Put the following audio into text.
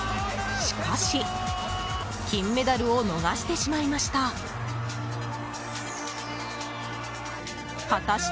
しかし、金メダルを逃してしまいました。